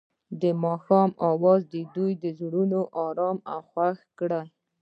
د ماښام اواز د دوی زړونه ارامه او خوښ کړل.